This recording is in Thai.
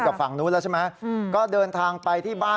คือพ่อแม่เขามาล็อกเรา